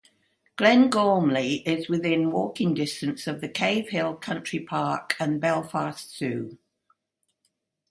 Glengormley is within walking distance of the Cavehill Country Park and Belfast Zoo.